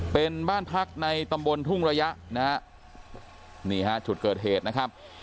เป็นบ้านพักในตำบลทุ่งระยะนะฮะนี่ฮะจุดเกิดเหตุนะครับ